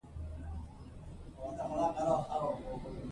د ښځینه تعلیم د کورنیو ترمنځ نږدېوالی او د متقابل احترام کچه لوړوي.